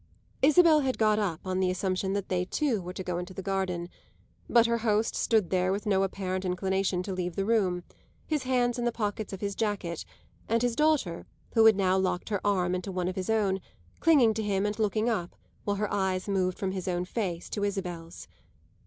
Isabel had got up on the assumption that they too were to go into the garden; but her host stood there with no apparent inclination to leave the room, his hands in the pockets of his jacket and his daughter, who had now locked her arm into one of his own, clinging to him and looking up while her eyes moved from his own face to Isabel's.